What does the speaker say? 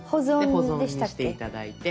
保存して頂いて。